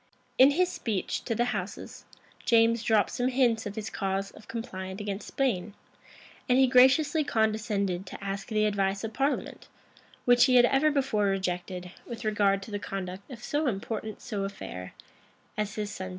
In his speech to the houses, James dropped some hints of his cause of complaint against Spain; and he graciously condescended to ask the advice of parliament, which he had ever before rejected, with regard to the conduct of so important so affair as his son's marriage.